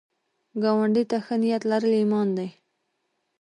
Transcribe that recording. ګاونډي ته ښه نیت لرل ایمان ده